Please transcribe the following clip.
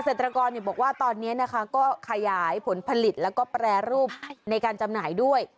เกษตรกรบอกว่าตอนนี้นะคะก็ขยายผลผลิตแล้วก็แปรรูปในการจำหน่ายด้วย